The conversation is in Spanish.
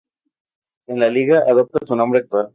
El la liga adopta su nombre actual.